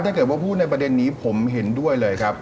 ถ้าเกิดว่าพูดในประเด็นนี้ผมเห็นด้วยเลยครับ